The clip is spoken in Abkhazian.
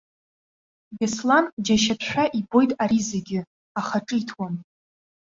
Беслан џьашьатәшәа ибоит ари зегьы, аха ҿиҭуам.